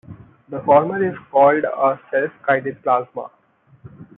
The former is called a self-guided plasma.